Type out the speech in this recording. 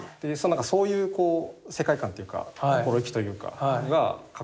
そういうこう世界観っていうか心意気というかがかっこいいなと。